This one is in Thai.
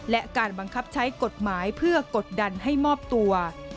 และการบังคับใช้กฎหมายเพื่อกดดันให้มอบตัว